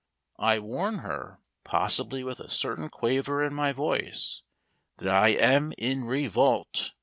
I warn her possibly with a certain quaver in my voice that I am in revolt.